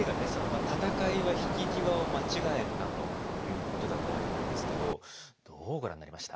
「戦いは引き際を間違えるな！」ということだったわけなんですけどどうご覧になりました？